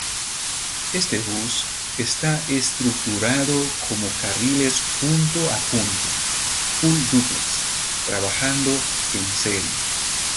Este bus está estructurado como carriles punto a punto, full-duplex, trabajando en serie.